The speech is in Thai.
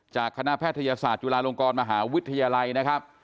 คณะแพทยศาสตร์จุฬาลงกรมหาวิทยาลัยนะครับ